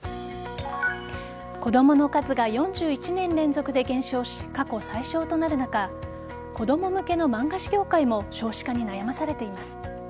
子供の数が４１年連続で減少し過去最少となる中子供向けの漫画誌業界も少子化に悩まされています。